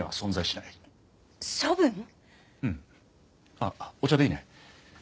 あっお茶でいいね。